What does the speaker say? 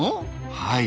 はい。